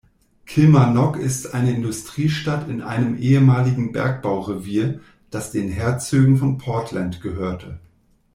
Kilmarnock ist eine Industriestadt in einem ehemaligen Bergbaurevier, das den Herzögen von Portland gehörte.